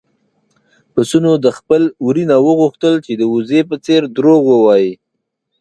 پسونو د خپل وري نه وغوښتل چې د وزې په څېر دروغ ووايي.